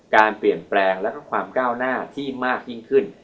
การเปลี่ยนแปลงและความก้าวหน้าที่มากยิ่งขึ้น